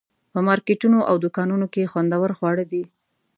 په مارکیټونو او دوکانونو کې خوندور خواړه دي.